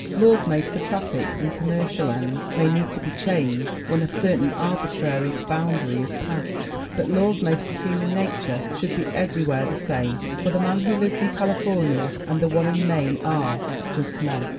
Laws made for traffic and commercial ends may need to be changed when a certain arbitrary boundary is passed, but laws made for human nature should be everywhere the same, for the man who lives in California and the one in Maine are just men.